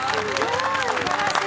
素晴らしい。